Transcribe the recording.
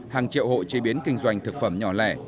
hàng triệu hộ chế biến kinh doanh thực phẩm nhỏ lẻ